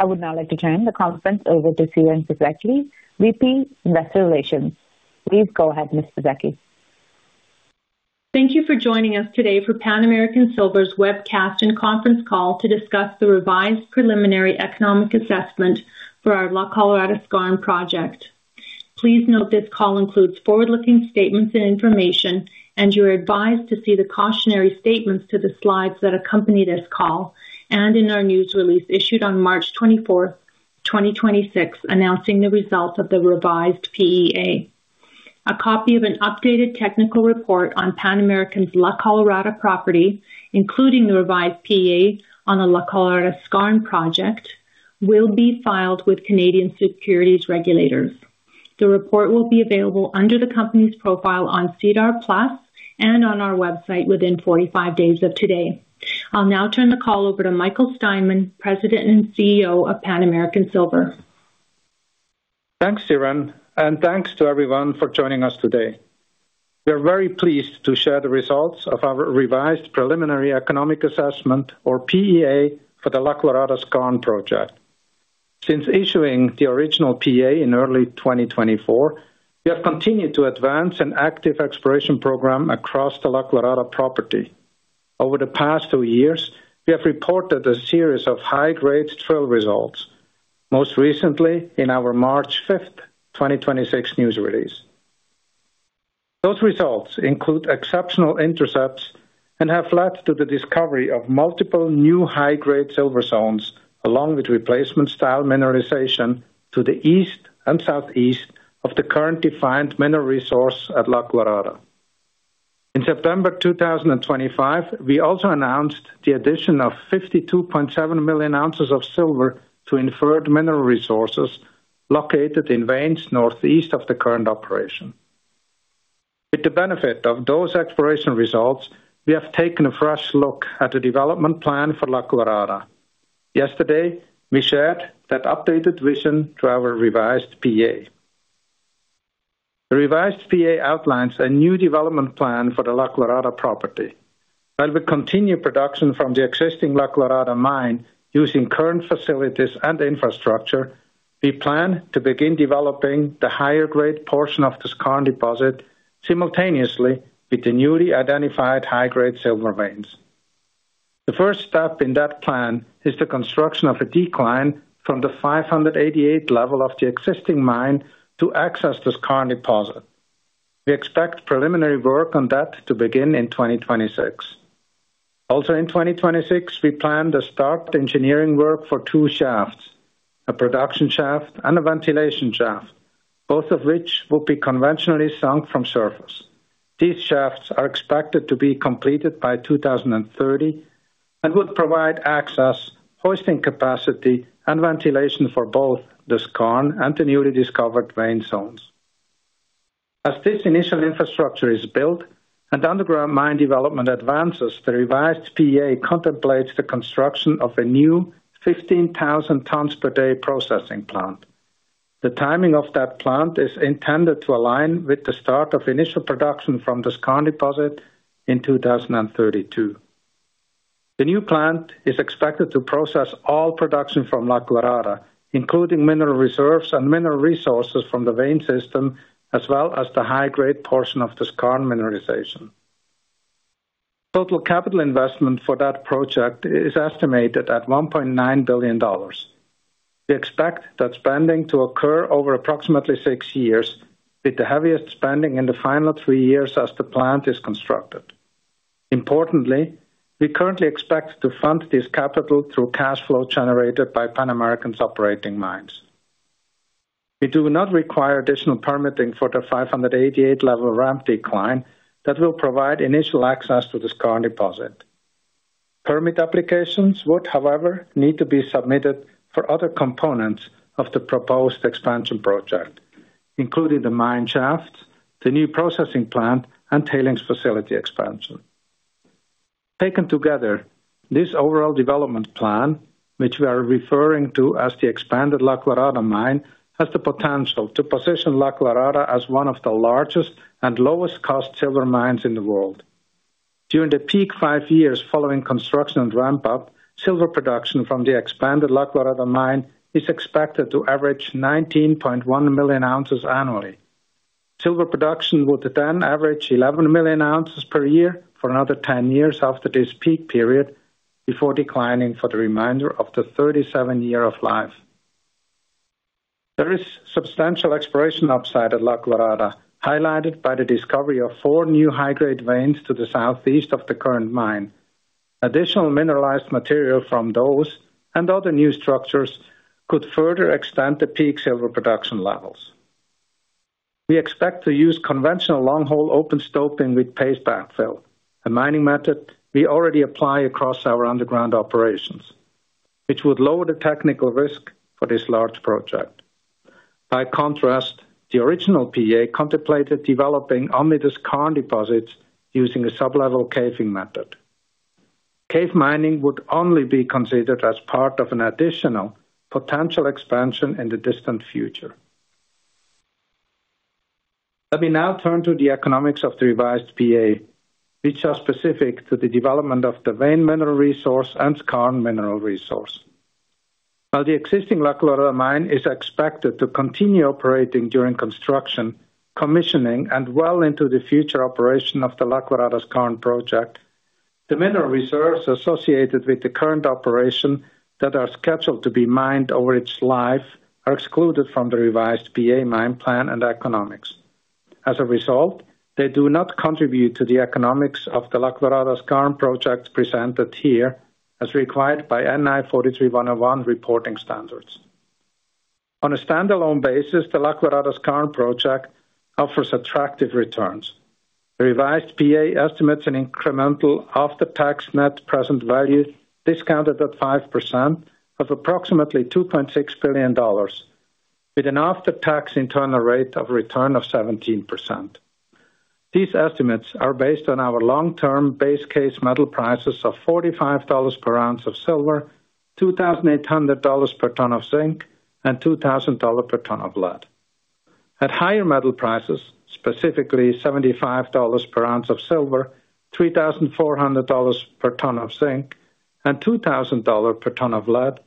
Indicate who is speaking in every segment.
Speaker 1: I would now like to turn the conference over to Siren Fisekci, VP, Investor Relations. Please go ahead, Ms. Fisekci.
Speaker 2: Thank you for joining us today for Pan American Silver's webcast and conference call to discuss the revised Preliminary Economic Assessment for our La Colorada Skarn project. Please note this call includes forward-looking statements and information, and you are advised to see the cautionary statements to the slides that accompany this call, and in our news release issued on March 24, 2026, announcing the results of the revised PEA. A copy of an updated technical report on Pan American's La Colorada property, including the revised PEA on the La Colorada Skarn project, will be filed with Canadian securities regulators. The report will be available under the company's profile on SEDAR+ and on our website within 45 days of today. I'll now turn the call over to Michael Steinmann, President and CEO of Pan American Silver.
Speaker 3: Thanks, Siren, and thanks to everyone for joining us today. We are very pleased to share the results of our revised Preliminary Economic Assessment or PEA for the La Colorada Skarn project. Since issuing the original PEA in early 2024, we have continued to advance an active exploration program across the La Colorada property. Over the past two years, we have reported a series of high-grade drill results, most recently in our March 5, 2026, news release. Those results include exceptional intercepts and have led to the discovery of multiple new high-grade silver zones, along with replacement-style mineralization to the east and southeast of the current defined mineral resource at La Colorada. In September 2025, we also announced the addition of 52.7 million ounces of silver to inferred mineral resources located in veins northeast of the current operation. With the benefit of those exploration results, we have taken a fresh look at the development plan for La Colorada. Yesterday, we shared that updated vision to our revised PEA. The revised PEA outlines a new development plan for the La Colorada property. While we continue production from the existing La Colorada mine using current facilities and infrastructure, we plan to begin developing the higher-grade portion of the skarn deposit simultaneously with the newly identified high-grade silver veins. The first step in that plan is the construction of a decline from the 588 level of the existing mine to access the skarn deposit. We expect preliminary work on that to begin in 2026. Also in 2026, we plan to start engineering work for two shafts, a production shaft and a ventilation shaft, both of which will be conventionally sunk from surface. These shafts are expected to be completed by 2030 and would provide access, hoisting capacity, and ventilation for both the skarn and the newly discovered vein zones. As this initial infrastructure is built and underground mine development advances, the revised PEA contemplates the construction of a new 15,000 tons per day processing plant. The timing of that plant is intended to align with the start of initial production from the skarn deposit in 2032. The new plant is expected to process all production from La Colorada, including mineral reserves and mineral resources from the vein system, as well as the high-grade portion of the skarn mineralization. Total capital investment for that project is estimated at $1.9 billion. We expect that spending to occur over approximately six years, with the heaviest spending in the final three years as the plant is constructed. Importantly, we currently expect to fund this capital through cash flow generated by Pan American's operating mines. We do not require additional permitting for the 588 level ramp decline that will provide initial access to the skarn deposit. Permit applications would, however, need to be submitted for other components of the proposed expansion project, including the mine shafts, the new processing plant, and tailings facility expansion. Taken together, this overall development plan, which we are referring to as the expanded La Colorada mine, has the potential to position La Colorada as one of the largest and lowest-cost silver mines in the world. During the peak five years following construction and ramp-up, silver production from the expanded La Colorada mine is expected to average 19.1 million ounces annually. Silver production will then average 11 million ounces per year for another 10 years after this peak period, before declining for the remainder of the 37-year life. There is substantial exploration upside at La Colorada, highlighted by the discovery of four new high-grade veins to the southeast of the current mine. Additional mineralized material from those and other new structures could further extend the peak silver production levels. We expect to use conventional long-hole open stoping with paste backfill, a mining method we already apply across our underground operations, which would lower the technical risk for this large project. By contrast, the original PEA contemplated developing only the skarn deposits using a sub-level caving method. Cave mining would only be considered as part of an additional potential expansion in the distant future. Let me now turn to the economics of the revised PEA, which are specific to the development of the vein mineral resource and skarn mineral resource. While the existing La Colorada mine is expected to continue operating during construction, commissioning, and well into the future operation of the La Colorada Skarn project, the mineral reserves associated with the current operation that are scheduled to be mined over its life are excluded from the revised PEA mine plan and economics. As a result, they do not contribute to the economics of the La Colorada Skarn project presented here as required by NI 43-101 reporting standards. On a standalone basis, the La Colorada Skarn project offers attractive returns. The revised PA estimates an incremental after-tax net present value discounted at 5% of approximately $2.6 billion, with an after-tax internal rate of return of 17%. These estimates are based on our long-term base case metal prices of $45 per ounce of silver, $2,800 per ton of zinc and $2,000 per ton of lead. At higher metal prices, specifically $75 per ounce of silver, $3,400 per ton of zinc, and $2,000 per ton of lead,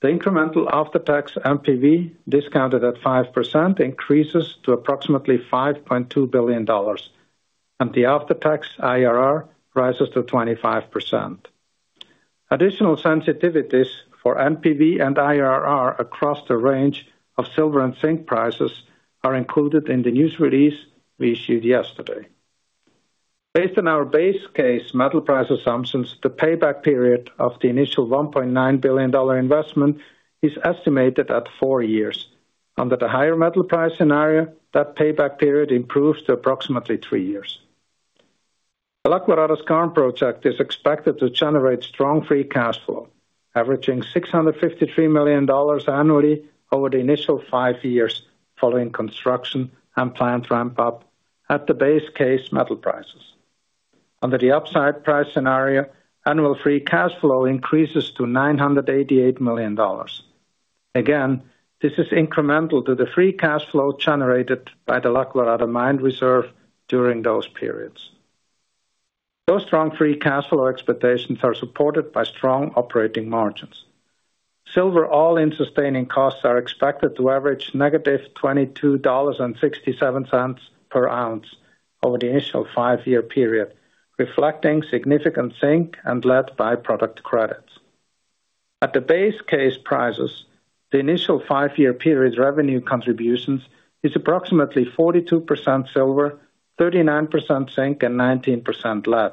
Speaker 3: the incremental after-tax NPV, discounted at 5%, increases to approximately $5.2 billion, and the after-tax IRR rises to 25%. Additional sensitivities for NPV and IRR across the range of silver and zinc prices are included in the news release we issued yesterday. Based on our base case metal price assumptions, the payback period of the initial $1.9 billion investment is estimated at four years. Under the higher metal price scenario, that payback period improves to approximately three years. The La Colorada skarn project is expected to generate strong free cash flow, averaging $653 million annually over the initial five years following construction and plant ramp up at the base case metal prices. Under the upside price scenario, annual free cash flow increases to $988 million. Again, this is incremental to the free cash flow generated by the La Colorada mine reserve during those periods. Those strong free cash flow expectations are supported by strong operating margins. Silver all-in sustaining costs are expected to average negative $22.67 per ounce over the initial five-year period, reflecting significant zinc and lead by-product credits. At the base case prices, the initial five-year period's revenue contributions is approximately 42% silver, 39% zinc and 19% lead.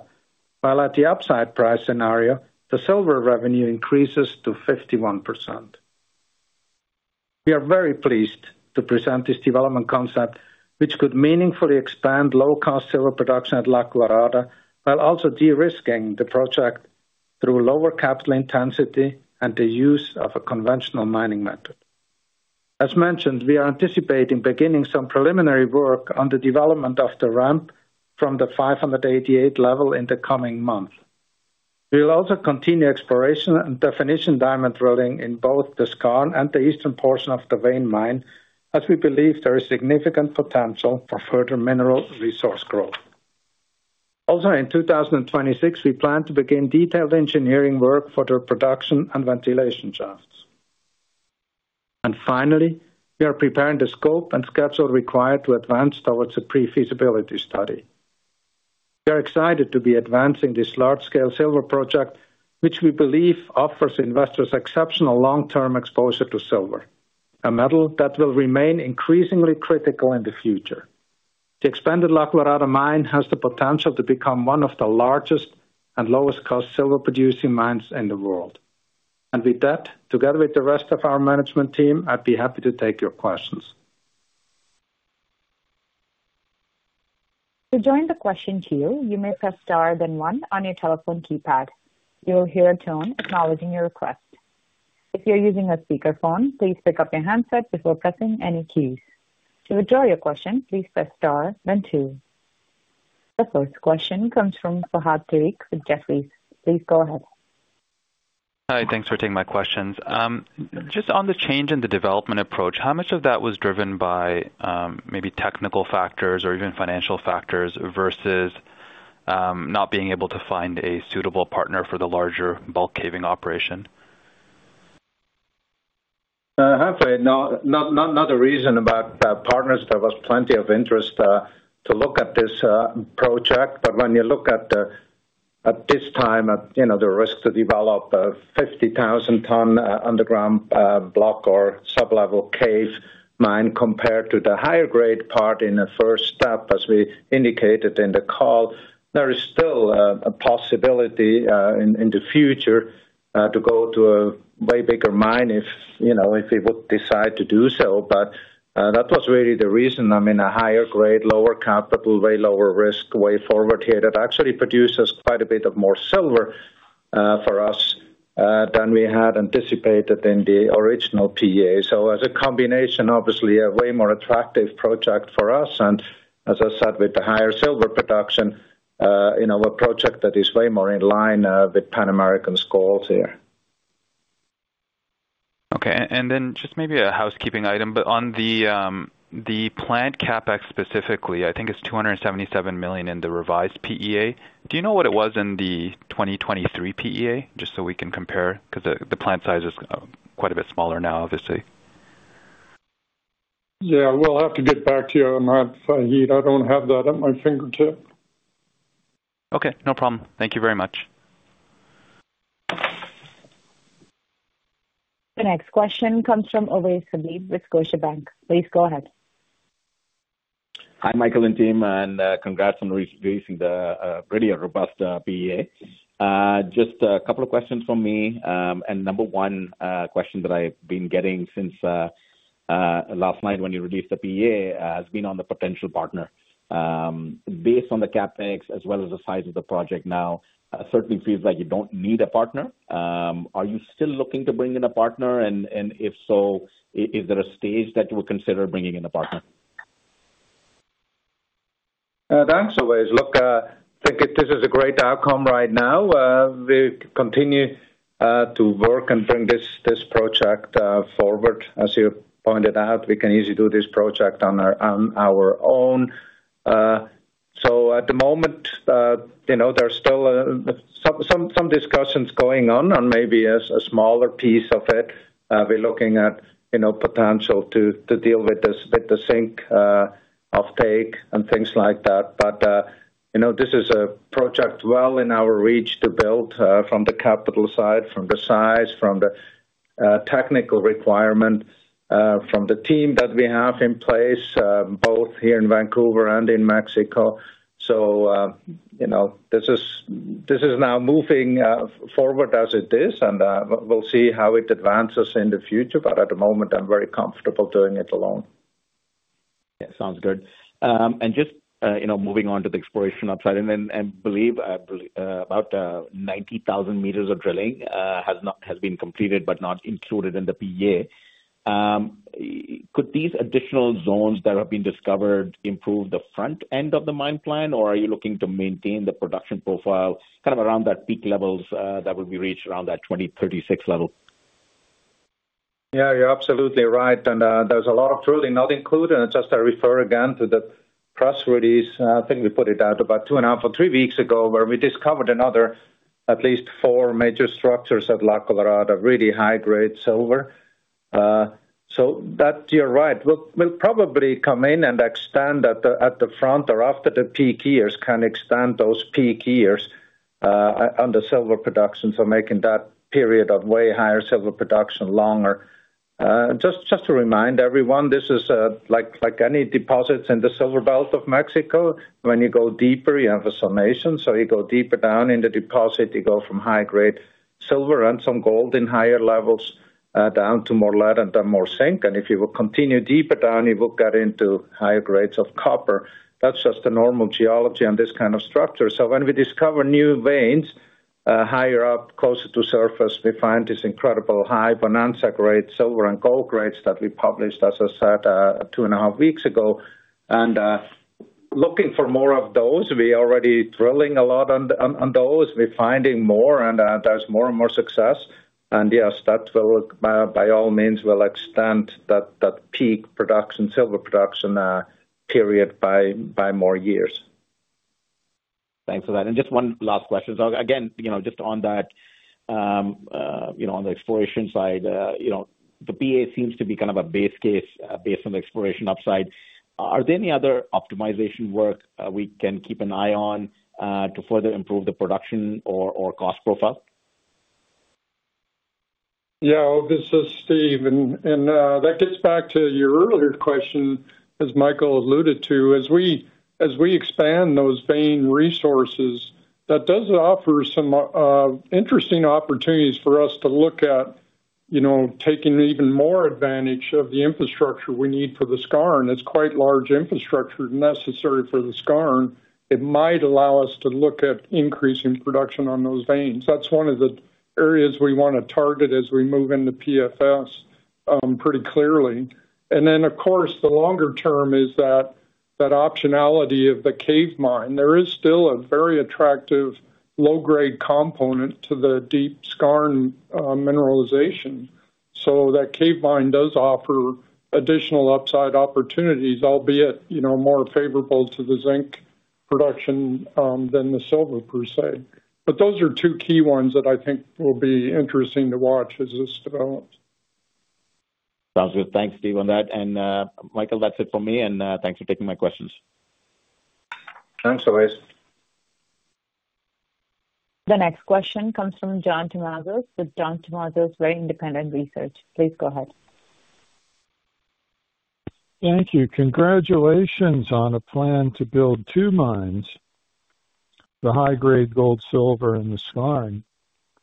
Speaker 3: While at the upside price scenario, the silver revenue increases to 51%. We are very pleased to present this development concept, which could meaningfully expand low-cost silver production at La Colorada while also de-risking the project through lower capital intensity and the use of a conventional mining method. As mentioned, we are anticipating beginning some preliminary work on the development of the ramp from the 588 level in the coming month. We will also continue exploration and definition diamond drilling in both the skarn and the eastern portion of the vein mine, as we believe there is significant potential for further mineral resource growth. Also, in 2026, we plan to begin detailed engineering work for the production and ventilation shafts. Finally, we are preparing the scope and schedule required to advance towards a pre-feasibility study. We are excited to be advancing this large-scale silver project, which we believe offers investors exceptional long-term exposure to silver, a metal that will remain increasingly critical in the future. The expanded La Colorada mine has the potential to become one of the largest and lowest-cost silver-producing mines in the world. With that, together with the rest of our management team, I'd be happy to take your questions.
Speaker 1: The first question comes from Fahad Tariq with Jefferies. Please go ahead.
Speaker 4: Hi. Thanks for taking my questions. Just on the change in the development approach, how much of that was driven by maybe technical factors or even financial factors versus not being able to find a suitable partner for the larger bulk caving operation?
Speaker 3: Fahad, no, not the reason about partners. There was plenty of interest to look at this project. When you look at this time at, you know, the risk to develop a 50,000-ton underground block or sub-level cave mine compared to the higher grade part in the first step, as we indicated in the call, there is still a possibility in the future to go to a way bigger mine if, you know, if we would decide to do so. That was really the reason, I mean, a higher grade, lower capital, way lower risk way forward here that actually produces quite a bit of more silver for us than we had anticipated in the original PA. As a combination, obviously, a way more attractive project for us, and as I said, with the higher silver production, you know, a project that is way more in line with Pan American's goals here.
Speaker 4: Okay. Just maybe a housekeeping item, but on the plant CapEx specifically, I think it's $277 million in the revised PEA. Do you know what it was in the 2023 PEA? Just so we can compare, 'cause the plant size is quite a bit smaller now, obviously.
Speaker 5: Yeah, we'll have to get back to you on that, Fahad. I don't have that at my fingertips.
Speaker 4: Okay, no problem. Thank you very much.
Speaker 1: The next question comes from Ovais Habib with Scotiabank. Please go ahead.
Speaker 6: Hi, Michael and team, and congrats on releasing the really robust PEA. Just a couple of questions from me. Number one question that I've been getting since last night when you released the PEA has been on the potential partner. Based on the CapEx as well as the size of the project now, certainly feels like you don't need a partner. Are you still looking to bring in a partner? If so, is there a stage that you would consider bringing in a partner?
Speaker 3: Thanks, Ovais. Look, this is a great outcome right now. We'll continue to work and bring this project forward. As you pointed out, we can easily do this project on our own. So, at the moment, you know, there's still some discussions going on, maybe a smaller piece of it. We're looking at, you know, potential to deal with the zinc offtake and things like that. You know, this is a project well in our reach to build from the capital side, from the size, from the technical requirement from the team that we have in place, both here in Vancouver and in Mexico. You know, this is now moving forward as it is and we'll see how it advances in the future, but at the moment, I'm very comfortable doing it alone.
Speaker 6: Yeah, sounds good. Just, you know, moving on to the exploration upside and I believe about 90,000m of drilling has been completed, but not included in the PEA. Could these additional zones that have been discovered improve the front end of the mine plan, or are you looking to maintain the production profile kind of around that peak levels that will be reached around that 2036 level?
Speaker 3: Yeah, you're absolutely right. There's a lot of drilling not included. Just to refer again to the press release, I think we put it out about two and a half or three weeks ago, where we discovered another at least four major structures at La Colorada, really high-grade silver. So that you're right. We'll probably come in and extend at the front or after the peak years, can extend those peak years under silver production. Making that period of way higher silver production longer. Just to remind everyone, this is like any deposits in the silver belt of Mexico, when you go deeper, you have a zonation. You go deeper down in the deposit; you go from high-grade silver and some gold in higher levels down to more lead and then more zinc. If you will continue deeper down, you will get into higher grades of copper. That's just the normal geology on this kind of structure. When we discover new veins higher up, closer to surface, we find this incredible high bonanza grade silver and gold grades that we published, as I said, two and a half weeks ago. Looking for more of those, we already drilling a lot on those. We're finding more, and there's more and more success. Yes, that will by all means extend that peak production, silver production period by more years.
Speaker 6: Thanks for that. Just one last question. Again, you know, just on that, you know, on the exploration side, you know, the PEA seems to be kind of a base case, based on the exploration upside. Are there any other optimization work we can keep an eye on to further improve the production or cost profile?
Speaker 5: This is Steve. That gets back to your earlier question, as Michael alluded to. As we expand those vein resources, that does offer some interesting opportunities for us to look at, you know, taking even more advantage of the infrastructure we need for the skarn. It's quite large infrastructure necessary for the skarn. It might allow us to look at increasing production on those veins. That's one of the areas we want to target as we move into PFS, pretty clearly. Of course, the longer term is that, the optionality of the cave mine. There is still a very attractive low-grade component to the deep skarn mineralization. That cave mine does offer additional upside opportunities, albeit, you know, more favorable to the zinc production than the silver per se. Those are two key ones that I think will be interesting to watch as this develops.
Speaker 6: Sounds good. Thanks, Steve, on that. Michael, that's it for me, and thanks for taking my questions.
Speaker 3: Thanks, Ovais.
Speaker 1: The next question comes from John Tumazos with John Tumazos Very Independent Research. Please go ahead.
Speaker 7: Thank you. Congratulations on a plan to build two mines, the high-grade gold, silver and the skarn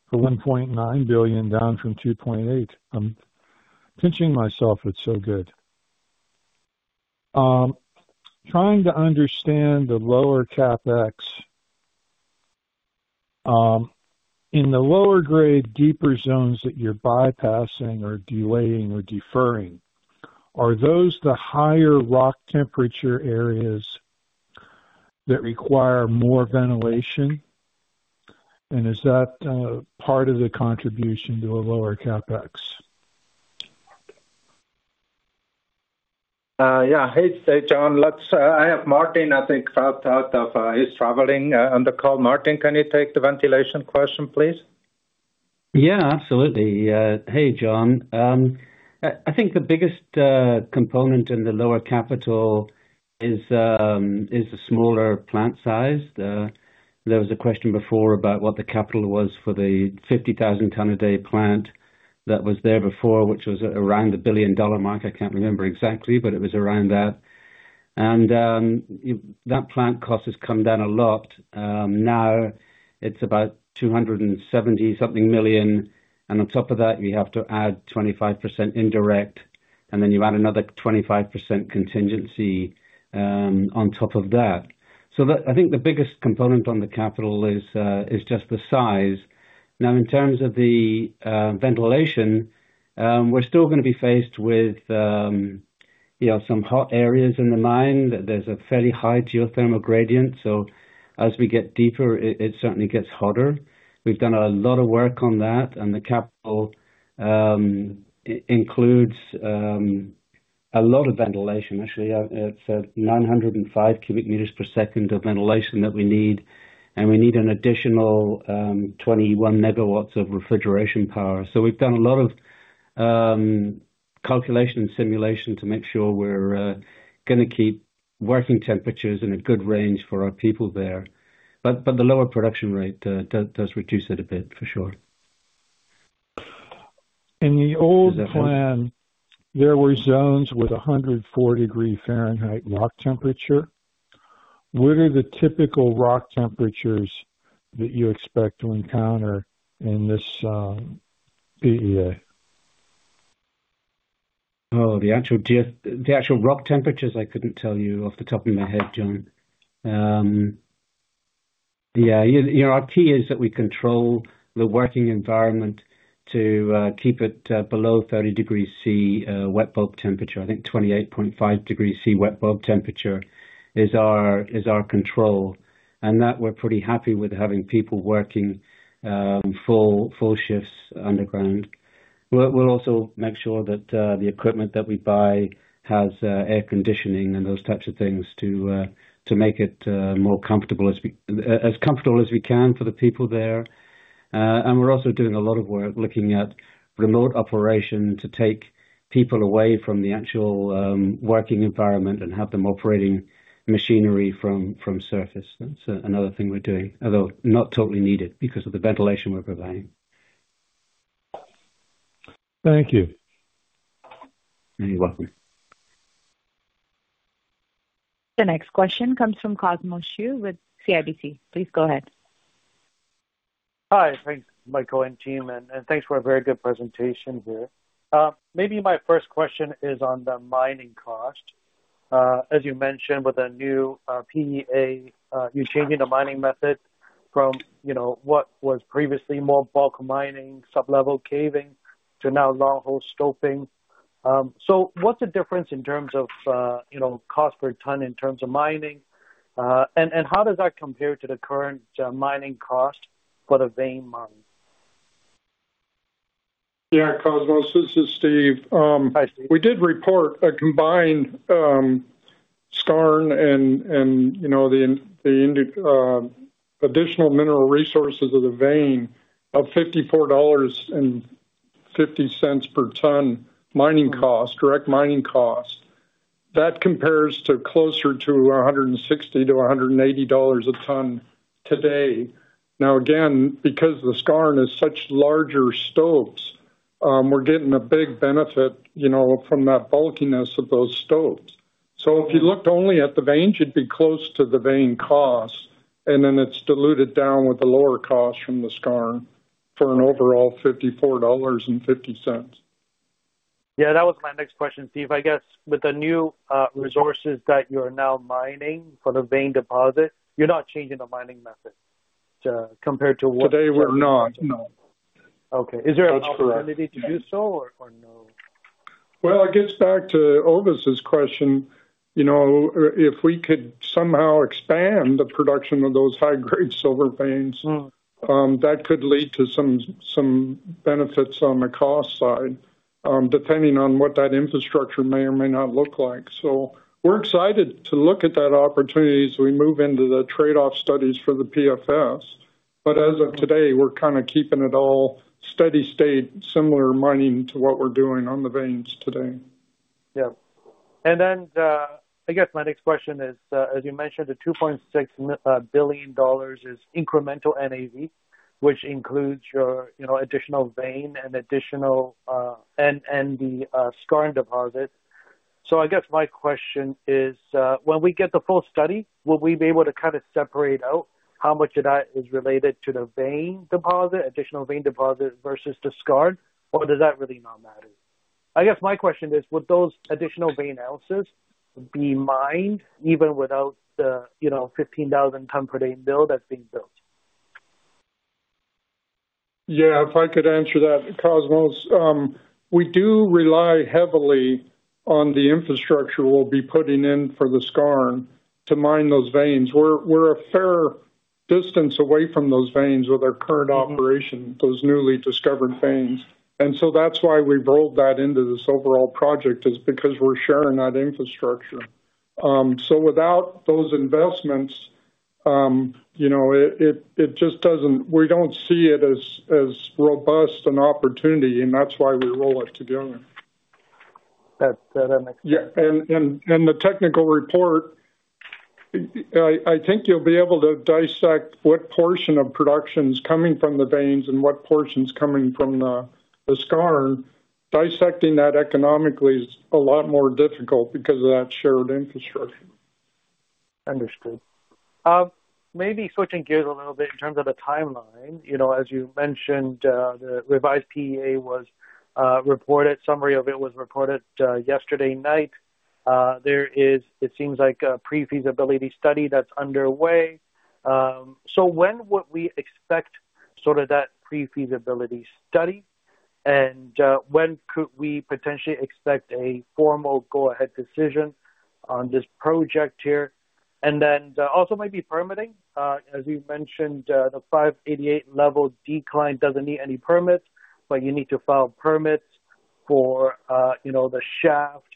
Speaker 7: for $1.9 billion, down from $2.8 billion. I'm pinching myself, it's so good. Trying to understand the lower CapEx in the lower grade, deeper zones that you're bypassing or delaying or deferring, are those the higher rock temperature areas? That require more ventilation. Is that part of the contribution to a lower CapEx?
Speaker 3: Hey, John, I have Martin out, I think. He's traveling on the call. Martin, can you take the ventilation question, please?
Speaker 8: Yeah, absolutely. Hey, John. I think the biggest component in the lower capital is the smaller plant size. There was a question before about what the capital was for the 50,000 ton a day plant that was there before, which was around a $1 billion mark. I can't remember exactly, but it was around that. That plant cost has come down a lot. Now it's about $270-something million, and on top of that, you have to add 25% indirect, and then you add another 25% contingency on top of that. I think the biggest component on the capital is just the size. Now, in terms of the ventilation, we're still going to be faced with you know, some hot areas in the mine. There's a fairly high geothermal gradient, so as we get deeper, it certainly gets hotter. We've done a lot of work on that, and the capital includes a lot of ventilation. Actually, it's 905 cubic meters per second of ventilation that we need, and we need an additional 21 MW of refrigeration power. So, we've done a lot of calculation and simulation to make sure we're going keep working temperatures in a good range for our people there. The lower production rate does reduce it a bit, for sure.
Speaker 7: In the old plan, there were zones with 104 degrees Fahrenheit rock temperature. What are the typical rock temperatures that you expect to encounter in this PEA?
Speaker 8: The actual rock temperatures, I couldn't tell you off the top of my head, John. You know, our key is that we control the working environment to keep it below 30 degrees Celsius wet bulb temperature. I think 28.5 degrees Celsius wet bulb temperature is our control. We're pretty happy with having people working full shifts underground. We'll also make sure that the equipment that we buy has air conditioning and those types of things to make it as comfortable as we can for the people there. We're also doing a lot of work looking at remote operation to take people away from the actual working environment and have them operating machinery from surface. That's another thing we're doing, although not totally needed because of the ventilation we're providing.
Speaker 7: Thank you.
Speaker 8: You're welcome.
Speaker 1: The next question comes from Cosmos Chiu with CIBC. Please go ahead.
Speaker 9: Hi. Thanks, Michael and team, thanks for a very good presentation here. Maybe my first question is on the mining cost. As you mentioned, with the new PEA, you're changing the mining method from, you know, what was previously more bulk mining, sub-level caving to now longhole stoping. So, what's the difference in terms of, you know, cost per ton in terms of mining? And how does that compare to the current mining cost for the vein mine?
Speaker 5: Yeah, Cosmos. This is Steve.
Speaker 9: Hi, Steve.
Speaker 5: We did report a combined skarn and, you know, additional mineral resources of the vein of $54.50 per ton mining cost, direct mining cost. That compares to closer to $160-$180 a ton today. Now, again, because the skarn is such larger stopes, we're getting a big benefit, you know, from that bulkiness of those stopes. If you looked only at the veins, you'd be close to the vein cost, and then it's diluted down with the lower cost from the skarn for an overall $54.50.
Speaker 9: Yeah. That was my next question, Steve. I guess with the new resources that you're now mining for the vein deposit, you're not changing the mining method, compared to what?
Speaker 5: Today we're not, no.
Speaker 9: Okay. Is there an opportunity?
Speaker 5: That's correct.
Speaker 9: To do so or no?
Speaker 5: Well, it gets back to Ovais's question. You know, if we could somehow expand the production of those high-grade silver veins. That could lead to some benefits on the cost side, depending on what that infrastructure may or may not look like. We're excited to look at that opportunity as we move into the trade-off studies for the PFS. As of today, we're kind of keeping it all steady-state, similar mining to what we're doing on the veins today.
Speaker 9: Yeah. I guess my next question is, as you mentioned, the $2.6 billion is incremental NAV, which includes your, you know, additional vein and additional and the skarn deposit. I guess my question is, when we get the full study, will we be able to kind of separate out how much of that is related to the vein deposit, additional vein deposit versus the skarn, or does that really not matter? I guess my question is, would those additional vein ounces be mined even without the, you know, 15,000 ton per day mill that's being built?
Speaker 5: Yeah, if I could answer that, Cosmos. We do rely heavily on the infrastructure we'll be putting in for the skarn to mine those veins. We're a fair distance away from those veins with our current operation, those newly discovered veins. That's why we rolled that into this overall project, is because we're sharing that infrastructure. Without those investments, you know, it just doesn't. We don't see it as robust an opportunity, and that's why we roll it together.
Speaker 9: That makes sense.
Speaker 5: Yeah. The technical report, I think you'll be able to dissect what portion of production's coming from the veins and what portion's coming from the skarn. Dissecting that economically is a lot more difficult because of that shared infrastructure.
Speaker 9: Understood. Maybe switching gears a little bit in terms of the timeline. You know, as you mentioned, the revised PEA was reported, summary of it was reported yesterday night. There is, it seems like a pre-feasibility study that's underway. So, when would we expect sort of that pre-feasibility study? And when could we potentially expect a formal go-ahead decision on this project here? Also, maybe permitting, as you mentioned, the 588 level decline doesn't need any permits, but you need to file permits for, you know, the shaft,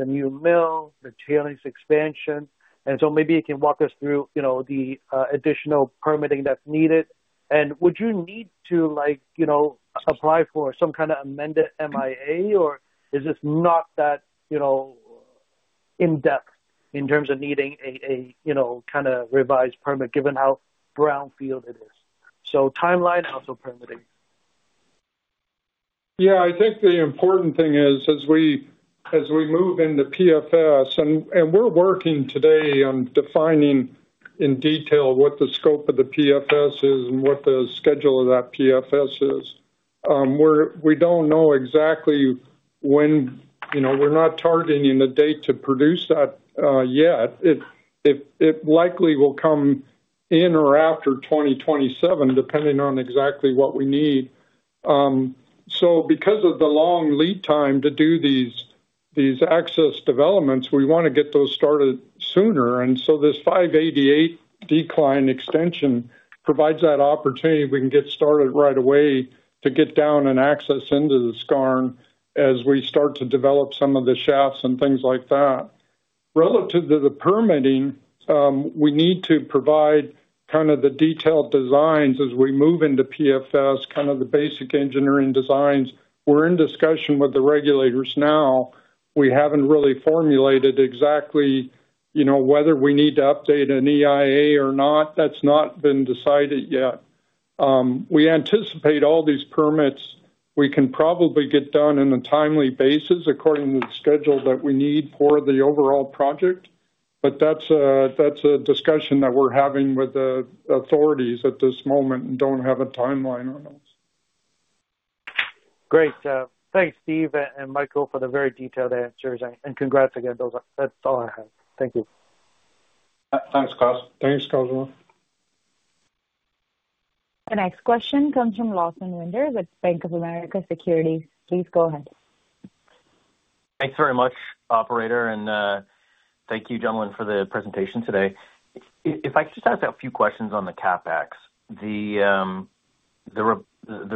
Speaker 9: the new mill, the tailings expansion. Maybe you can walk us through, you know, the additional permitting that's needed. Would you need to like, you know, apply for some kind of amended MIA, or is this not that, you know, in-depth in terms of needing, you know kind of revised permit given how brownfield it is? Timeline, also permitting.
Speaker 5: Yeah. I think the important thing is, as we move into PFS, and we're working today on defining in detail what the scope of the PFS is and what the schedule of that PFS is. We don't know exactly when, you know, we're not targeting a date to produce that yet. It likely will come in or after 2027, depending on exactly what we need. Because of the long lead time to do these access developments, we want to get those started sooner. This 588 decline extension provides that opportunity. We can get started right away to get down and access into the skarn as we start to develop some of the shafts and things like that. Relative to the permitting, we need to provide kind of the detailed designs as we move into PFS, kind of the basic engineering designs. We're in discussion with the regulators now. We haven't really formulated exactly, you know, whether we need to update an EIA or not. That's not been decided yet. We anticipate all these permits we can probably get done on a timely basis according to the schedule that we need for the overall project. But that's a discussion that we're having with the authorities at this moment and don't have a timeline on those.
Speaker 9: Great. Thanks, Steve and Michael, for the very detailed answers, and congrats again. That's all I have. Thank you.
Speaker 3: Thanks, Cosmos.
Speaker 5: Thanks, Cosmos.
Speaker 1: The next question comes from Lawson Winder with Bank of America Securities. Please go ahead.
Speaker 10: Thanks very much, operator. Thank you, gentlemen, for the presentation today. If I could just ask a few questions on the CapEx. The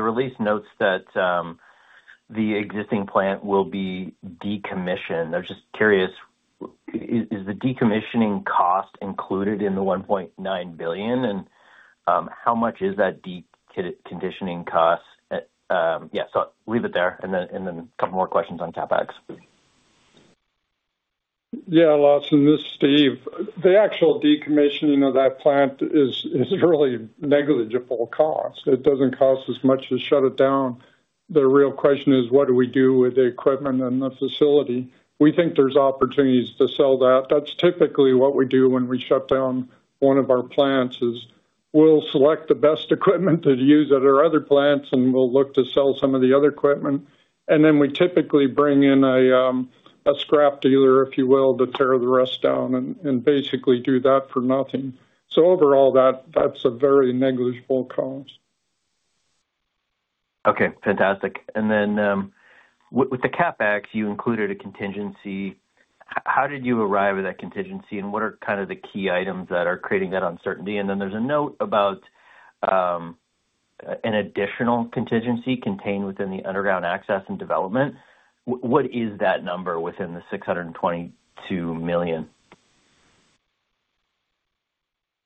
Speaker 10: release notes that the existing plant will be decommissioned. I'm just curious, is the decommissioning cost included in the $1.9 billion? And how much is that decommissioning cost? Yeah, so leave it there, and then a couple more questions on CapEx.
Speaker 5: Yeah. Lawson, this is Steve. The actual decommissioning of that plant is really negligible cost. It doesn't cost as much to shut it down. The real question is, what do we do with the equipment and the facility? We think there's opportunities to sell that. That's typically what we do when we shut down one of our plants, is we'll select the best equipment to use at our other plants, and we'll look to sell some of the other equipment. Then we typically bring in a scrap dealer, if you will, to tear the rest down and basically do that for nothing. Overall, that's a very negligible cost.
Speaker 10: Okay, fantastic. With the CapEx, you included a contingency. How did you arrive at that contingency, and what are kind of the key items that are creating that uncertainty? There's a note about an additional contingency contained within the underground access and development. What is that number within the $622 million?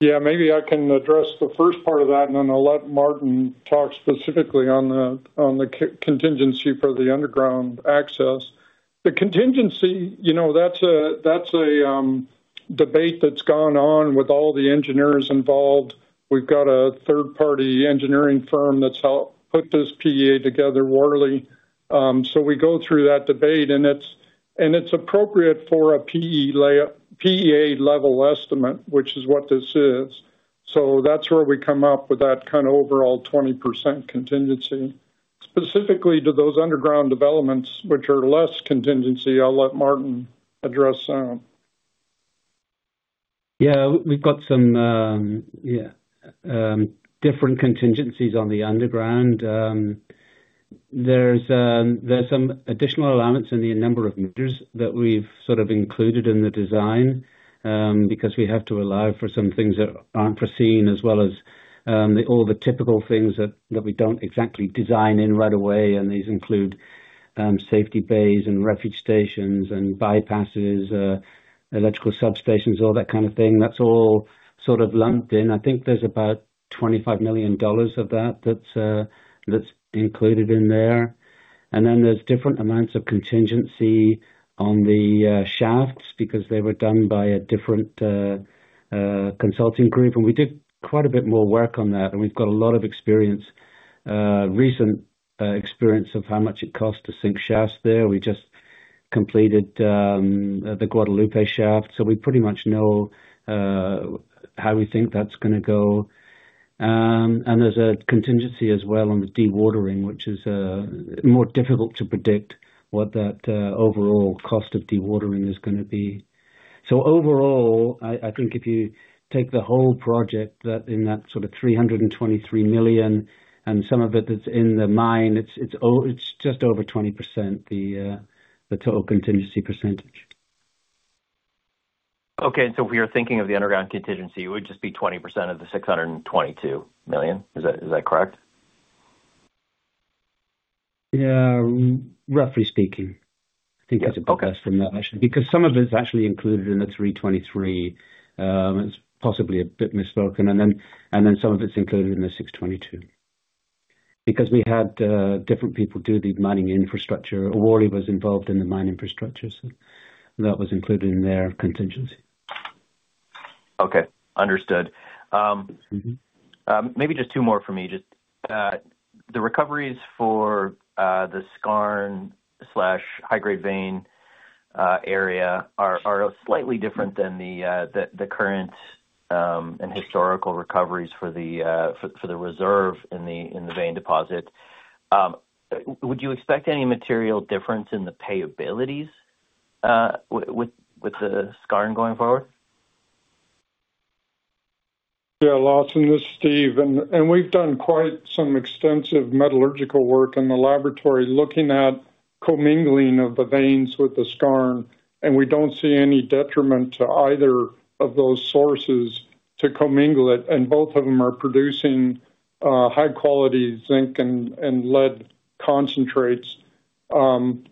Speaker 5: Yeah. Maybe I can address the first part of that, and then I'll let Martin talk specifically on the contingency for the underground access. The contingency, you know, that's a debate that's gone on with all the engineers involved. We've got a third-party engineering firm that's helped put this PEA together, Worley. So we go through that debate, and it's appropriate for a PEA level estimate, which is what this is. So that's where we come up with that kind of overall 20% contingency. Specifically, to those underground developments, which are less contingency, I'll let Martin address them.
Speaker 8: Yeah, we've got some different contingencies on the underground. There's some additional allowance in the number of meters that we've sort of included in the design because we have to allow for some things that aren't foreseen as well as all the typical things that we don't exactly design in right away. These include safety bays and refuge stations and bypasses, electrical substations, all that kind of thing. That's all sort of lumped in. I think there's about $25 million of that that's included in there. Then there's different amounts of contingency on the shafts because they were done by a different consulting group. We did quite a bit more work on that, and we've got a lot of experience, recent experience of how much it costs to sink shafts there. We just completed the Guadalupe shaft, so we pretty much know how we think that's going to go. There's a contingency as well on the dewatering, which is more difficult to predict what that overall cost of dewatering is going to be. Overall, I think if you take the whole project that in that sort of $323 million and some of it that's in the mine, it's just over 20%, the total contingency percentage.
Speaker 10: Okay. If we are thinking of the underground contingency, it would just be 20% of the $622 million. Is that correct?
Speaker 8: Yeah. Roughly speaking. I think that's a fair assumption. Because some of it is actually included in the $323. It's possibly a bit misspoken. Then some of its included in the $622. Because we had different people do the mining infrastructure. Auroy was involved in the mine infrastructure, so that was included in their contingency.
Speaker 10: Okay. Understood. Maybe just two more for me. Just the recoveries for the skarn slash high-grade vein area are slightly different than the current and historical recoveries for the reserve in the vein deposit. Would you expect any material difference in the payabilities with the skarn going forward?
Speaker 5: Yeah, Lawson, this is Steve. We've done quite some extensive metallurgical work in the laboratory looking at commingling of the veins with the skarn, and we don't see any detriment to either of those sources to commingle it. Both of them are producing high quality zinc and lead concentrates. You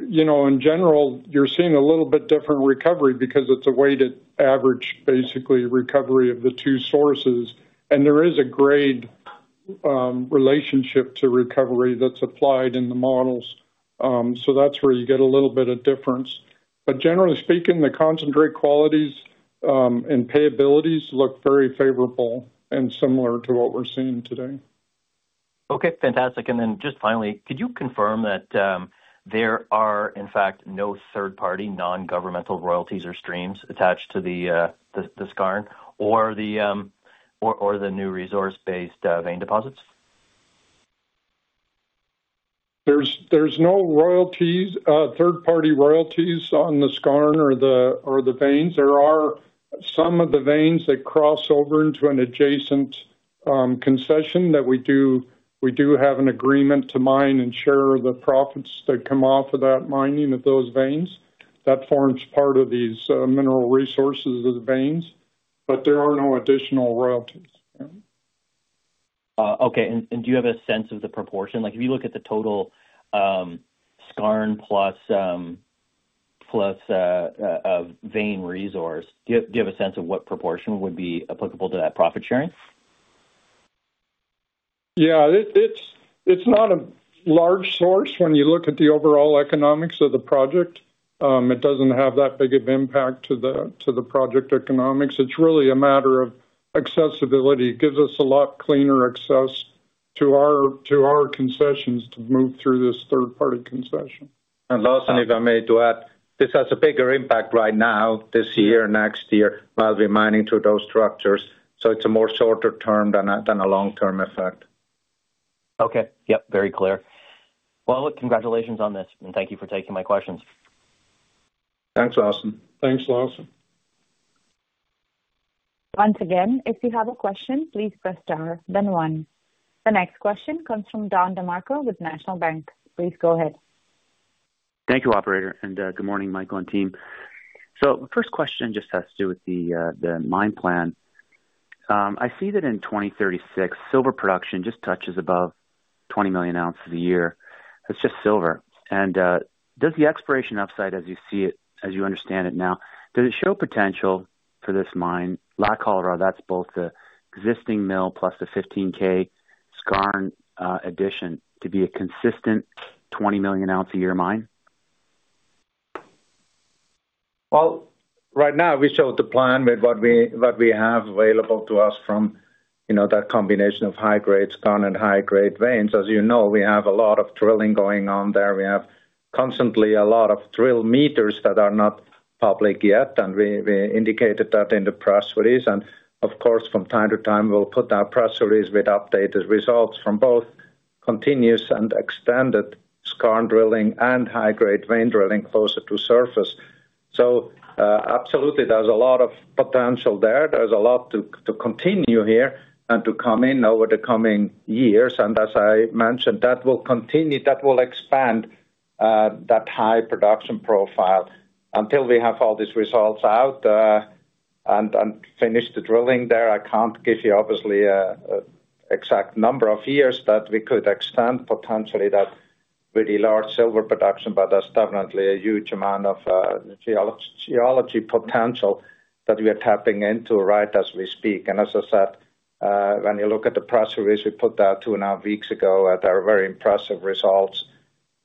Speaker 5: know, in general, you're seeing a little bit different recovery because it's a weighted average, basically recovery of the two sources. There is a grade relationship to recovery that's applied in the models. So that's where you get a little bit of difference. But generally speaking, the concentrate qualities and pay abilities look very favorable and similar to what we're seeing today.
Speaker 10: Okay, fantastic. Just finally, could you confirm that there are in fact no third party non-governmental royalties or streams attached to the skarn or the new resource-based vein deposits?
Speaker 5: There's no royalties, third party royalties on the skarn or the veins. There are some of the veins that cross over into an adjacent concession that we do have an agreement to mine and share the profits that come off of that mining of those veins. That forms part of these mineral resources as veins. There are no additional royalties.
Speaker 10: Okay, do you have a sense of the proportion? Like, if you look at the total skarn plus vein resource, do you have a sense of what proportion would be applicable to that profit sharing?
Speaker 5: Yeah. It's not a large source when you look at the overall economics of the project. It doesn't have that big of impact to the project economics. It's really a matter of accessibility. It gives us a lot cleaner access to our concessions to move through this third-party concession.
Speaker 3: Lawson, if I may add. This has a bigger impact right now, this year, next year, while we're mining through those structures. It's a more shorter term than a long-term effect.
Speaker 10: Okay. Yep. Very clear. Well, look, congratulations on this, and thank you for taking my questions.
Speaker 3: Thanks, Lawson.
Speaker 5: Thanks, Lawson.
Speaker 1: Once again, if you have a question, please press star then one. The next question comes from Don DeMarco with National Bank. Please go ahead.
Speaker 11: Thank you, operator. Good morning, Michael and team. First question just has to do with the mine plan. I see that in 2036, silver production just touches above 20 million ounces a year. That's just silver. Does the exploration upside as you see it, as you understand it now, show potential for this mine, La Colorada, that's both the existing mill plus the 15,000 skarn addition, to be a consistent 20 million ounce a year mine?
Speaker 3: Well, right now we showed the plan with what we have available to us from, you know, that combination of high-grade skarn and high-grade veins. As you know, we have a lot of drilling going on there. We have constantly a lot of drill meters that are not public yet, and we indicated that in the press release. Of course, from time to time, we'll put out press release with updated results from both continuous and extended skarn drilling and high-grade vein drilling closer to surface. Absolutely, there's a lot of potential there. There's a lot to continue here and to come in over the coming years. As I mentioned, that will continue, that will expand that high production profile. Until we have all these results out and finish the drilling there, I can't give you obviously exact number of years that we could extend potentially that really large silver production, but there's definitely a huge amount of geology potential that we are tapping into right as we speak. As I said, when you look at the press release, we put that two and a half weeks ago at our very impressive results,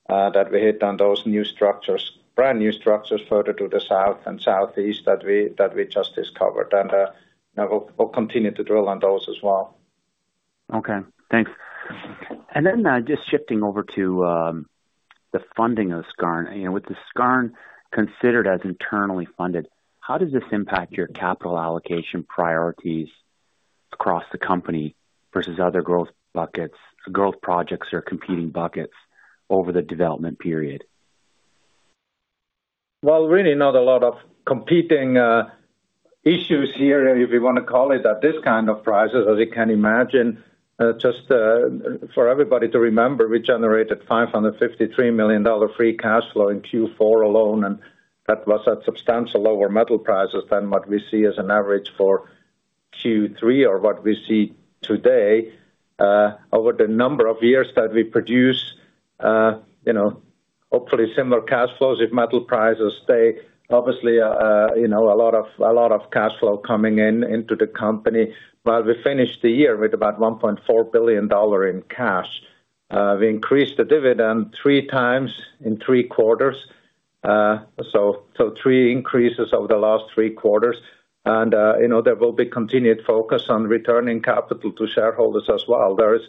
Speaker 3: that we hit on those new structures, brand new structures further to the south and southeast that we just discovered. Now we'll continue to drill on those as well.
Speaker 11: Okay, thanks. Just shifting over to the funding of Skarn. You know, with the Skarn considered as internally funded, how does this impact your capital allocation priorities across the company versus other growth buckets, growth projects or competing buckets over the development period?
Speaker 3: Well, really not a lot of competing issues here, if you want to call it, at this kind of prices, as you can imagine. Just for everybody to remember, we generated $553 million free cash flow in Q4 alone, and that was at substantial lower metal prices than what we see as an average for Q3 or what we see today. Over the number of years that we produce, you know, hopefully similar cash flows if metal prices stay. Obviously, you know, a lot of cash flow coming in into the company. While we finish the year with about $1.4 billion in cash, we increased the dividend three times in three quarters. Three increases over the last three quarters. You know, there will be continued focus on returning capital to shareholders as well. There is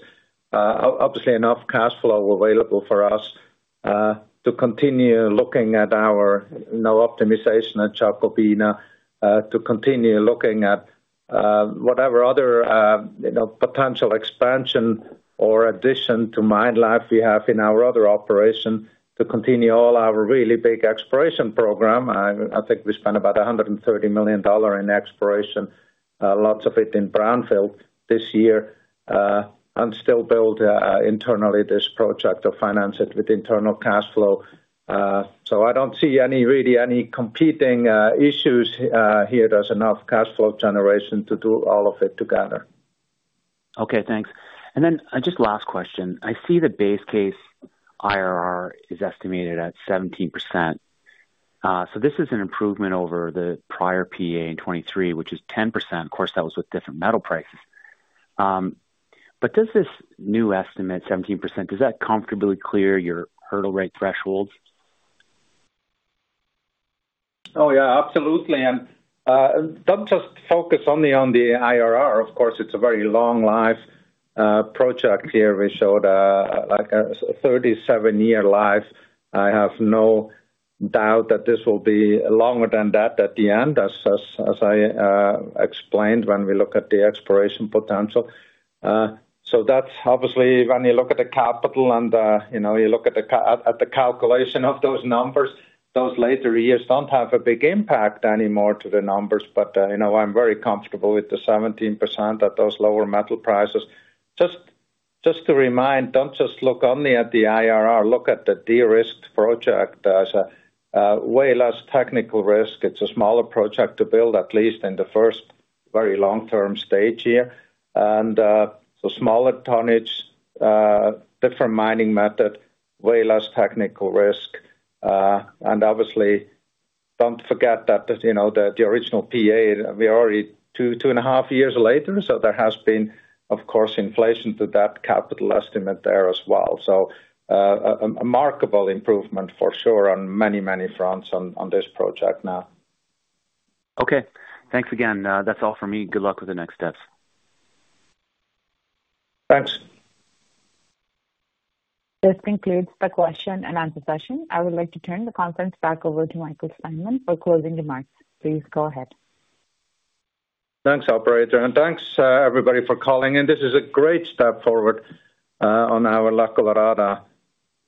Speaker 3: obviously enough cash flow available for us to continue looking at our, you know, optimization at Jacobina, to continue looking at whatever other, you know, potential expansion or addition to mine life we have in our other operation to continue all our really big exploration program. I think we spent about $130 million in exploration, lots of it in brownfield this year, and still build internally this project or finance it with internal cash flow. I don't see really any competing issues here. There's enough cash flow generation to do all of it together.
Speaker 11: Okay, thanks. Just last question. I see the base case IRR is estimated at 17%. This is an improvement over the prior PEA in 2023, which is 10%. Of course, that was with different metal prices. Does this new estimate, 17%, does that comfortably clear your hurdle rate thresholds?
Speaker 3: Oh, yeah, absolutely. Don't just focus only on the IRR. Of course, it's a very long-life project here. We showed, like a 37-year life. I do not doubt that this will be longer than that at the end, I explained when we look at the exploration potential. So that's obviously when you look at the capital and, you know, you look at the calculation of those numbers, those later years don't have a big impact anymore to the numbers. You know, I'm very comfortable with the 17% at those lower metal prices. Just to remind, don't just look only at the IRR, look at the de-risked project. There's way less technical risk. It's a smaller project to build, at least in the first very long-term stage here. Smaller tonnage, different mining method, way less technical risk. Obviously, don't forget that, you know, the original PEA. We are already two and a half years later, so there has been, of course, inflation to that capital estimate there as well. A remarkable improvement for sure on many fronts on this project now.
Speaker 11: Okay. Thanks again. That's all for me. Good luck with the next steps.
Speaker 3: Thanks.
Speaker 1: This concludes the question-and-answer session. I would like to turn the conference back over to Michael Steinmann for closing remarks. Please go ahead.
Speaker 3: Thanks, operator, and thanks, everybody for calling in. This is a great step forward on our La Colorada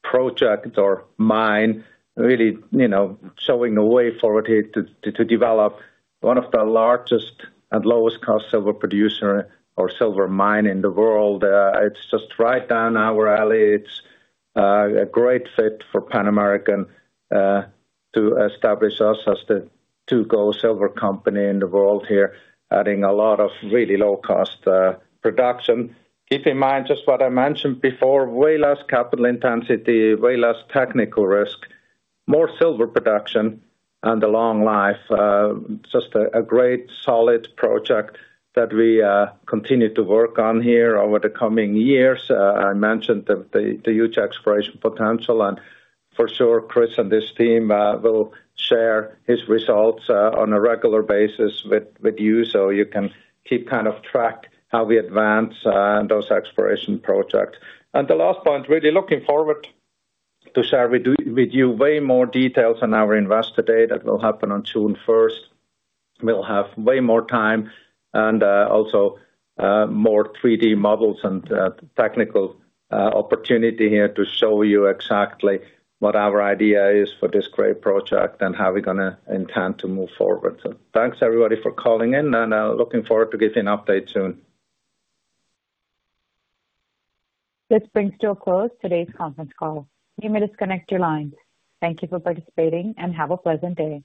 Speaker 3: project or mine, really, you know, showing the way forward here to develop one of the largest and lowest cost silver producer or silver mine in the world. It's just right down our alley. It's a great fit for Pan American to establish us as the two-gold silver company in the world here, adding a lot of really low-cost production. Keep in mind just what I mentioned before, way less capital intensity, way less technical risk, more silver production and a long life. Just a great solid project that we continue to work on here over the coming years. I mentioned the huge exploration potential, and for sure, Chris and his team will share his results on a regular basis with you so you can keep kind of track how we advance those exploration projects. The last point, really looking forward to share with you way more details on our Investor Day that will happen on June first. We'll have way more time and also more three-sixty models and technical opportunity here to show you exactly what our idea is for this great project and how we're gonna intend to move forward. Thanks everybody for calling in and looking forward to get you an update soon.
Speaker 1: This brings to a close today's conference call. You may disconnect your lines. Thank you for participating and have a pleasant day.